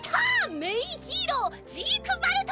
メインヒーロージークヴァルト！